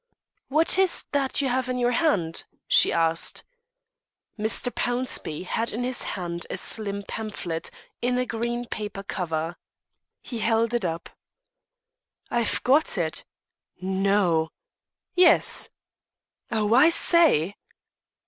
"What is that you have in your hand?" she asked. Mr. Pownceby had in his hand a slim pamphlet, in a green paper cover. He held it up. "I've got it!" "No?" "Yes!" "Oh, I say!"